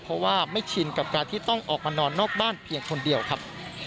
เพราะว่าไม่ชินกับการที่ต้องออกมานอนนอกบ้านเพียงคนเดียวครับ